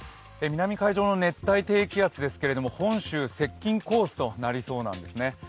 南海上の熱帯低気圧ですけれども、本州接近コースとなりそうなんですね。